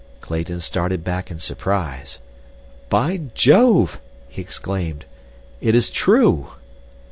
Clayton started back in surprise. "By Jove!" he exclaimed. "It is true."